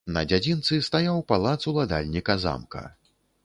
На дзядзінцы стаяў палац уладальніка замка.